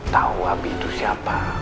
tahu abi itu siapa